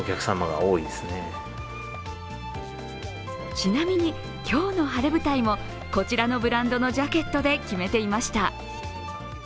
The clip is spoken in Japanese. ちなみに、今日の晴れ舞台もこちらのブランドのジャケットで決めていました。